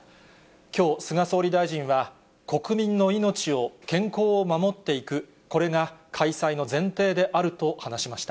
きょう、菅総理大臣は、国民の命を、健康を守っていく、これが開催の前提であると話しました。